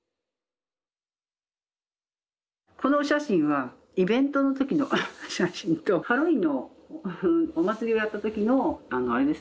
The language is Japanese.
このお写真はイベントの時の写真とハロウィーンのお祭りをやった時のあれですね